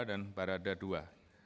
dan barada dua